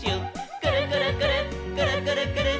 「くるくるくるっくるくるくるっ」